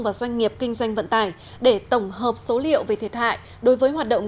và doanh nghiệp kinh doanh vận tải để tổng hợp số liệu về thiệt hại đối với hoạt động